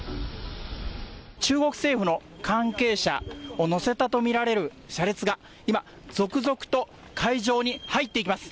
中国政府の関係者を乗せたと見られる車列が今、続々と会場に入っていきます。